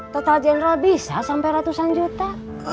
total general bisa sampai ratusan juta